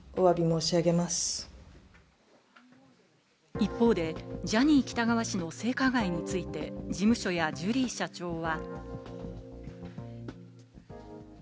一方で、ジャニー喜多川氏の性加害について、事務所やジュリー社長は。